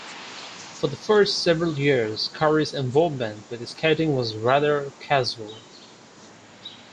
For the first several years, Curry's involvement with skating was rather casual.